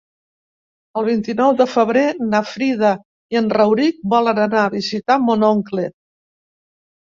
El vint-i-nou de febrer na Frida i en Rauric volen anar a visitar mon oncle.